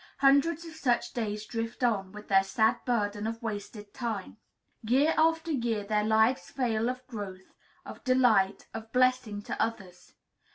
Hundreds of such days drift on, with their sad burden of wasted time. Year after year their lives fail of growth, of delight, of blessing to others.